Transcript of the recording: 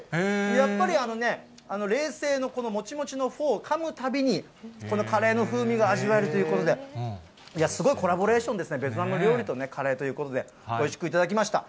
やっぱり冷製のこのもちもちのフォーかむたびに、このカレーの風味が味わえるということで、すごいコラボレーションですね、ベトナム料理とカレーということで、おいしく頂きました。